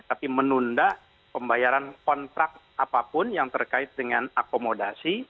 tapi menunda pembayaran kontrak apapun yang terkait dengan akomodasi